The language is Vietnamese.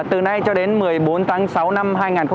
từ nay cho đến một mươi bốn tháng sáu năm hai nghìn hai mươi